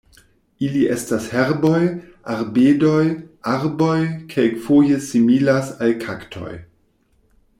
Ili estas herboj, arbedoj, arboj, kelkfoje similas al kaktoj.